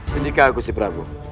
sendikah kusi perak